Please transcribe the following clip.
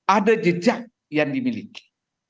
ada jejak yang dimiliki